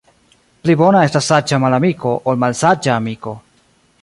Pli bona estas saĝa malamiko, ol malsaĝa amiko.